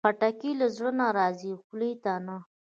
خټکی له زړه نه راځي، خولې ته نه.